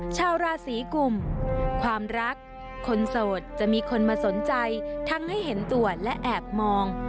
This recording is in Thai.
ชาวราศีกลุ่มความรักคนโสดจะมีคนมาสนใจทั้งให้เห็นตัวและแอบมอง